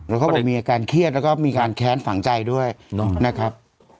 แล้วเขาบอกมีอาการเครียดแล้วก็มีการแค้นฝังใจด้วยนะครับ